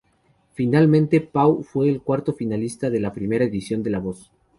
Finalmente, Pau fue el cuarto finalista de la primera edición de La voz.